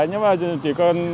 nhưng mà chỉ cần